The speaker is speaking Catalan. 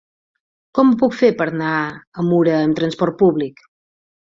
Com ho puc fer per anar a Mura amb trasport públic?